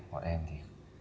bọn em thì